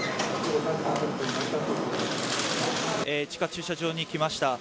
地下駐車場に来ました。